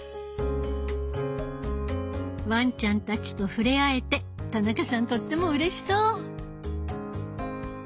ワンちゃんたちと触れ合えて田中さんとってもうれしそう！